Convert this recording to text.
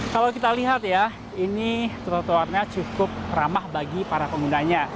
kalau kita lihat ya ini trotoarnya cukup ramah bagi para penggunanya